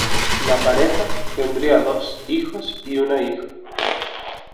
La pareja tendría dos hijos y una hija.